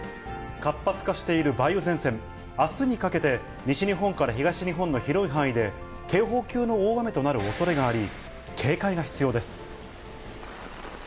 活発化している梅雨前線、あすにかけて西日本から東日本の広い範囲で、警報級の大雨となるおそれがあり、警戒が必要です。